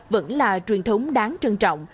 vẫn là truyền thống đáng trân trọng